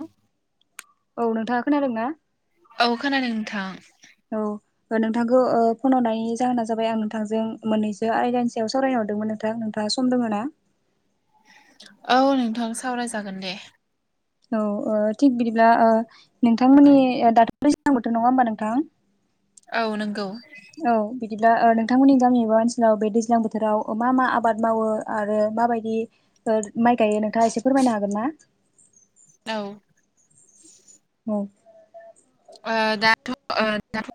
औ औ नोंथाङा खोनादों ना? औ खोनादों नोंथां। औ नोंथांखौ ओ फन हरनायनि जाहोना जाबाय आं नोंथांजों मोननैसो आयदानिसायाव सावरायनो हरदोंमोन नोंथां। आ सम दङ'ना? औ नोंथां सावरायजागोन दे। औ ओ थिग बिदिब्ला ओ नोंथांमोननि दाथ' दैज्लां बोथोर नङा होमबा नोंथां? औ नोंगौ। औ बिदिब्ला ओ नोंथांमोननि गामि एबा ओनसोलाव बे दैज्लां बोथोराव मा मा आबाद मावो आरो माबायदि ओ माइ गायो नोंथाङा एसे फोरमायनो हागोन ना? औ। गायनाय ओ दाथ' ओ दाथ'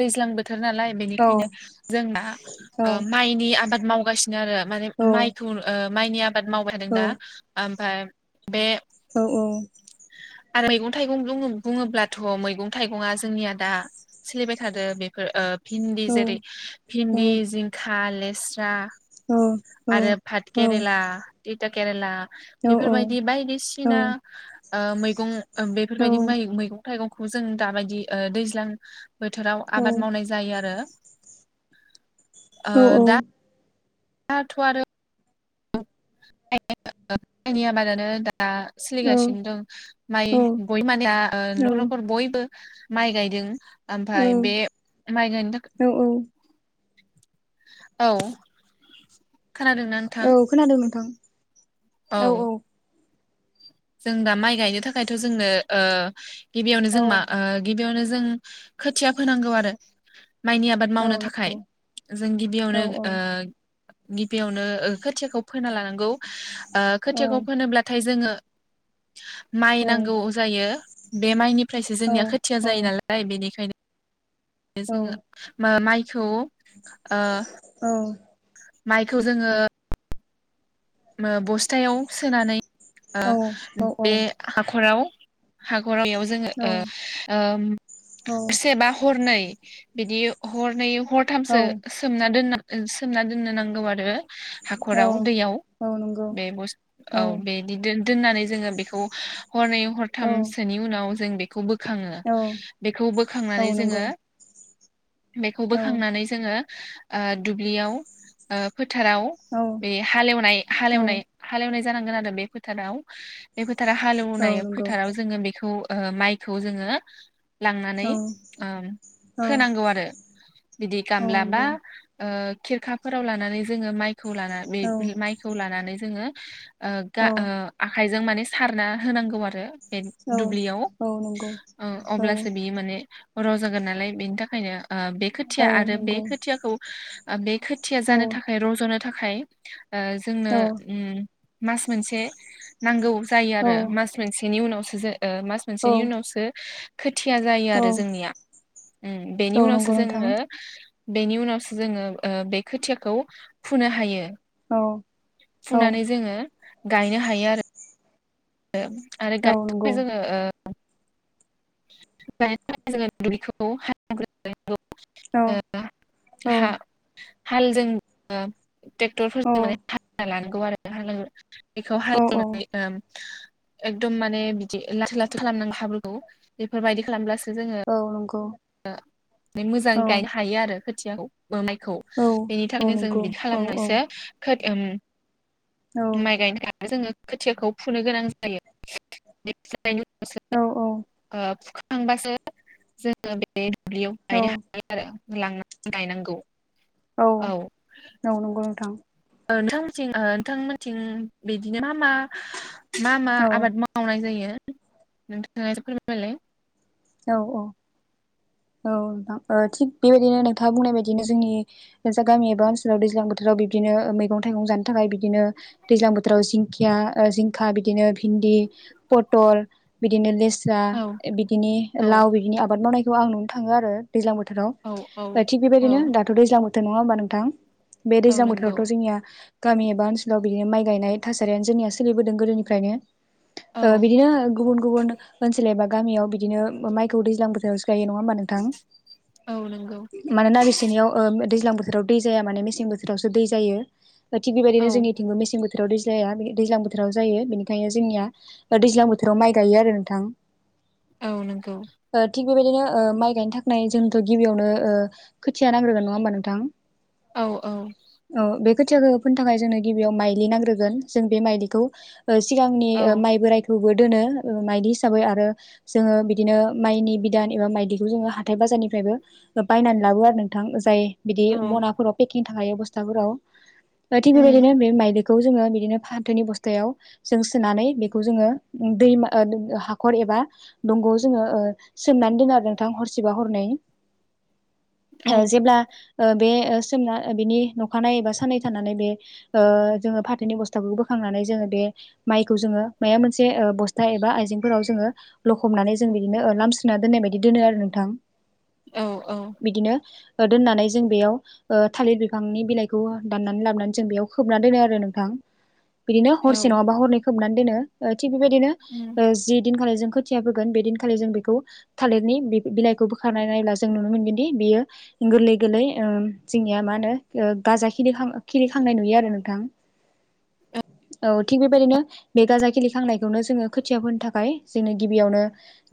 दैज्लां बोथ थोर नालाय औ बेनिखायनो जोंना औ माइनि आबाद मावगासिनो आरो माने औ माइखौ ओ माइनि आबाद मावबाय थादों औ दा ओमफाय बे औ औ। आरो मैगं थाइगं बुङो बुङोब्ला थ' मैगं थाइगंया जोंनिया दा सोलिबाय थादो बेफोर ओ भिन्दि औ जेरै औ भिन्दि जिंखा लेस्रा औ आरो भात औ केरेला, तिथा केरेला बेफोरबायदि बायदिसिना ओ मैगं औ बेफोरबायदि माइ मैगं थाइगंखौ जों दाबायदि ओ दैज्लां बोथोराव औ आबाद मावनाय जायो आरो ओ औ दा दाथ' आरो [unintelligible] आबादानो दा दा सोलिगासिनो दं माइ औ बय माने दा ओ औ न'खर न'खर बयबो माइ गायदों ओमफाय बे माइ गायनो थाख औ औ खोनादोंना औ नोंथां? खोनादों नोंथां औ। जों दा माइ गायनो थाखायथ' जोंनो ओ गिबियावनो औ जों मा ओ गिबियावनो जो जों खोथिया फोनांगौ आरो। माइनि आबाद औ मावनो थाखाय नंगौ जों औ गिबियावनो औ ओ गिबियावनो ओ खोथियाखौ फोना लानांगौ ओ खोथियाखौ फोनोब्लाथाय जोङो माइ औ नांगौ जायो बे माइनिफ्रायसो जोंनिया खोथिया औ जायो नालाय बेनिखायनो जोङो मा माइखौ ओ माइखौ जोङो ओ बस्थायाव सोनानै ओ औ औ बे हाखराव हाख हरनैयाव जोङो ओ ओम‌ सेबा हरनै। बिदि हरनै हरथामसो सोमना दोनना सोमना दोननो नांगौ आरो औ हाखराव दैयाव औ नंगौ बे बस्त औ बेदि दो दोननानै जोङो बेखौ हरनै हरथामसोनि उनाव जों बेखौ बो खाङो औ बेखौ औ बोखांनानै नंगौ जोङो बेखौ औ बोखांनानै जोङो ओ दुब्लियाव ओ फो थाराव बे हालेवनाय औ हालेवनाय हालेवनाय जानांगोन आरो बे फोथाराव बे फोथारा औ हालेवनाय नंगौ फोथाराव जोङो बेखौ ओ माइखौ जोङो औ लांनानै नंगौ औ ओम औ फोनांगौ आरो। बिदि गामलाबा ओ खिरखाफोराव लानानै जोङो माइखौ लाना बे माइखौ लानानै जोङो ओ गा औ औ ओ आखायजों माने सारना होनांगौ आरो। बे दुब्लियाव ओ नंगौ अब्लासो बियो माने रज'गोन नालाय बेनि थाखायनो ओ बे औ खोथिया आरो बे नंगौ खोथियाखौ ओ बे खोथिया जानो औ थाखाय रज'नो थाखाय ओ औ जोंनो उम मास मोनसे नांगौ। जायो आरो औ मास मोनसेनि उनावसो जो ओ मास मोनसेनि औ उनावसो खोथिया जायो औ आरो जोंनिया। उम बेनि औ उनावसो नंगौ नोंथां जोङो बेनि उनावसो जोङो ओ बे खोथियाखौ फुनो हायो। औ औ फुनानै जोङो गायनो हायो आरो। आरो औ [inaudible] नंगौ जोङो ओ [unintelligible] औ ओ औ हा हालजों ओ औ ट्रेक्टरफोरजों माने हालवना लानांगौ आरो हाल बेखौ औ हालेवनानै ओम एकदम माने बिदि लाथो लाथो खालामनांगौ हाब्रुखौ बेफोरबायदि खालामब्लासो औ नंगौ। ओ बे औ मोजांयै गाय हायो आरो खोथियाखौ। बो माइखौ बेनि औ थाखायनो जों नंगौ बिदि औ औ खालामनायसो खो उम माइ गायनो थाखाय जोङो खोथियाखौ फुनो गोनां जायो [inaudible] औ औ [inaudible] फुखांबासो जोङो बे बे दुब्लियाव औ गायनो हागोन आरो लांनानै गायनांगौ। औ नं नंगौ नोंथां। ओ नोंथांमोनथिं ओ नोंथांमोनथिं बिदिनो मा मा मा मा औ आबाद मावनाय जायो नोंथां फोरमायलाय। औ औ। औ नोंथां ओ थिग बेबायदिनो नोंथाङा बुंनाय बायदिनो जोंनि जा गामि एबा ओनसोलाव दैज्लां बोथोराव बिदिनो मैगं थाइगं जानो थाखाय बिदिनो दैज्लां बोथोराव जिं दिंखिया ओ जिंखा बिदिनो भिन्दि पटल बिदिनो लेस जा औ ए बिदिनि औ लाव बिदिनि आबाद मावनायखौ आं नुनो थाङो आरो। दैज्लां बोथोराव औ औ ओ थिग औ बेबायदिनो दाथ' दैज्लां बोथोर नङा होमबा नोंथां? बे औ दैज्लां नंगौ बोथोरावथ' जोंनिया गामि एबा ओनसोलाव बिदिनो माइ गायनाय थासारियानो जोंनिया सोलिबोदों गोदोनिफ्रायनो। औ ओ बिदिनो गुबुन गुबुन ओनसोल एबा गामियाव बिदिनो माइखौ दैज्लां बोथोरावसो गायो नङा होमबा नोंथां? औ नंगौ माननोना बिसिनियाव ओ दै दैज्लां बोथोराव दै जाया माने मेसें बोथोरावसो दै जायो ओ थिग औ बेबादिनो जोंनिथिंग मेसें बोथोर बोथोराव दै जाया दैज्लां बोथोराव जायो बेनिखायनो जोंनिया दैज्लां बोथोराव माइ गायो आरो नोंथां। औ नंगौ। ओ थिग बेबायदिनो ओ माइ गायनो थाखाय जोंथ' गिबियावनो ओ खोथिया नांग्रोगोन नङा होमबा नोंथां औ औ औ बे खोथियाखौ फोनो थाखाय जोंनो गिबियाव माइलि नांग्रोगोन जों बे माइलिखौ सिगांनि औ ओ माइ बोरायखौबो दोनो ओ मायलि हिसाबै आरो जोङो बिदिनो माइनि बिदान एबा मायलि ज हाथाय बाजारनिफ्रायबो बायनानै लाबो आरो नोंथां जाय बिदि औ मनाफोराव [unintelligible] बसथाफोराव ओ थिग उम बेबायदिनो बे मायलि खौ जोङो बिदिनो फाथोनि बस्थायाव जों सोनानै बेखौ जोङो दैमा ओ हाखर ए एबा दंग आव जोङो ओ सोमनानै दोनो आरो। थां हरसेबा हरनै औ ओ जेब्ला ओ बे सोमना बिनि नखानाय एबा सानै थानानै बे ओ जोङो फाथोनि अबस्थाखौ बोखांनानै जोङो बे मायखौ जोङो माया मोनसे ओ बसथा एबा आइजेंफोराव जोङो लखबनानै जों बिदिनो लामस्रिं ना दोननाय बायदि दोनो आरो नोंथां। औ औ। दोन्नानै जों बेयाव थालिर बिफांनि बिलाइखौ दाननानै लाबोनानै जों बेयाव खोबना दोनो आरो नोंथां। बिदिनो औ हरसे नङाबा हरनै खोबनानै दोनो थिग बेबायदिनो उम जि बेदिनखालि जों खोथिया होगोन बेदिनखालि जों बेखौ थालिरनि बिलाइखौ बोखारानाय नायब्ला जों नुनो मोनगोनदि बियो गोरलै गोरलै जोंनिया मान गाजा खिलि खांनाय नुयो आरो नोंथां औ थिग बेबायदिनो बे गाजा खिलि खांनायखौनो जोङो खोथिया फोनो थाखाय जोंङो गिबियावनो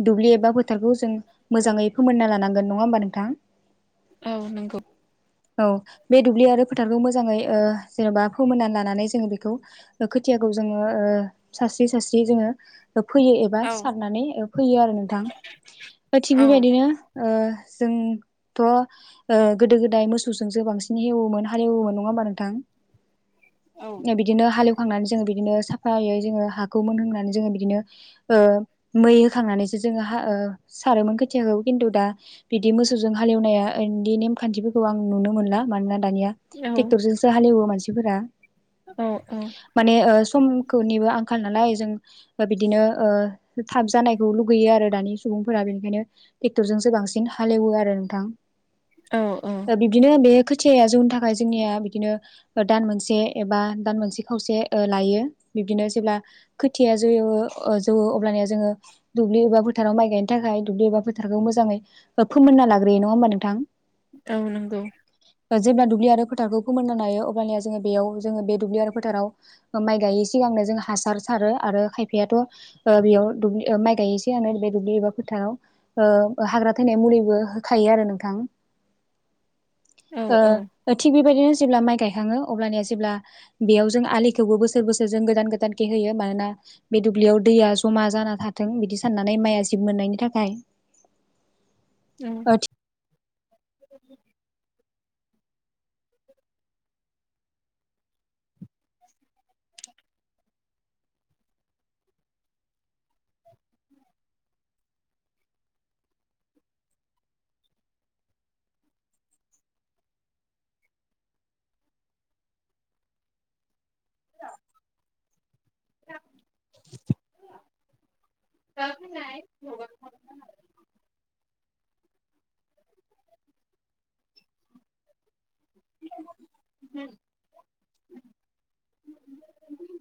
दुब्लि एबा फोथार जों मोजाङै फोमोनना लानांगोन नङा होमबा नोंथाङ? औ नंगौ औ बे दुब्लि आरो फोथारखौ मोजाङै जेन'बा फोमोनना लानानै जोङो बेखौ खोथिया जोङो सास्रि सास्रि जोङो- फैयो एबा औ सारनानै फैयो आरो नोंथां थिग औ बेबायदिनो जों थ' गोदो गोदाय मोसौजोंसो बांसिन हेवोमोन हालेवोमोन नङा होमबा नोंथां? औ बिदिनो हालेवखांनानै जोङो बिदिनो साफ फायै जोङो हाखौ मोनहोननानै जोङो बिदिनो मै होखांनानैसो जोङो ह सारोमोन खोथियाखौ खिन्थु दा बिदि मोसौजों हालेवनाया बिदि नेमखान्थिफोरखौ आं नुनो मोनला मानोना दानिया ट्रेक्टरजोंसो हालेवो मानसिफोरा औ औ समखौनिबो आंखाल नालाय जों बिदिनो थाब जानायखौ लुगैयो आरो दानि सुबुंफोरा बेनिखायनो ट्रेक्टरजोंसो बांसिन हालेवो आरो नोंथां। औ औ बिब्दिनो बे खोथिाया जौनि थाखाय जोंनिया बिदिनो दान मोनसे एबा दान मोनसे खावसे लायो। बिब्दिनो जेब्ला खोथिया जोयवो अ जोवो अबब्लानिया जोङो दुब्लि एबा फोथाराव माइ गायनो थाखाय दुब्लि एबा फोथारखौ मोजाङै फोमोनना लाग्रोयो नङा होमबा नोंथां। ओ नंगौ जेब्ला दुब्लि आरो फोथारखौ फोमोनना लायो अब्लानिया जोङो बेयाव जोङो बे दुब्लि आरो फोथाराव माइ गायैस सिगांनो जों हासार सारो आरो खायफायाथ' ओ बेयाव दुब्लि ओ माइ गायै सिगांनो दुब्लि एबा फोथाराव ओ हाग्रा थैनाय मुलिबो होखायो आरो नोंथां औ औ ओ थिग बेबायदिनो जेब्ला माइ गायखाङो अबब्लानिया जेब्ला बेयाव जों आलिखौबो बोसोर बोसोर जों गोदान गोदानखे होयो मानोना बे दुब्लियाव दैया जमा जाना थाथों बिदि साननानै माइआ जिब मोननायनि थाखाय औ [inaudible] ज [inaudible] [unintelligible] [inaudible]